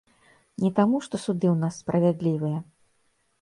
Не таму, што суды ў нас справядлівыя.